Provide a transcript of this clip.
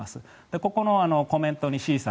ここのコメントのＣさん